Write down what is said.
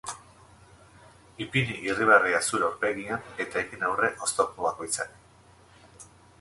Ipini irribarrea zure aurpegian, eta egin aurre oztopo bakoitzari.